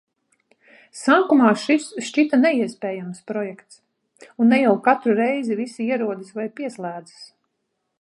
Sākumā šis šķita neiespējams projekts, un ne jau katru reizi visi ierodas vai pieslēdzas.